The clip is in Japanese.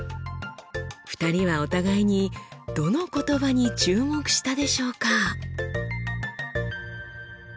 ２人はお互いにどの言葉に注目したでしょうか？